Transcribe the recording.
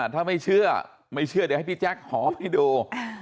ถ้าไม่เชื่อไม่เชื่อเดี๋ยวให้พี่แจ๊คหอไปดู